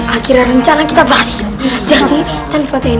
akhirnya rencana kita berhasil